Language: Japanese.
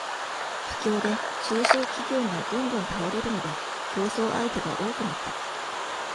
不況で、中小企業がどんどん倒れるので、競争相手が多くなった。